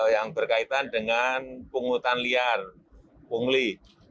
yang berkaitan dengan pungutan liar pungli